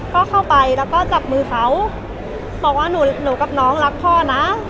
ก็เข้าไปแล้วก็จับมือเขาบอกว่าหนูหนูกับน้องรักพ่อนะ